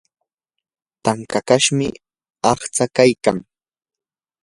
tankashmi aqtsaa kaykan.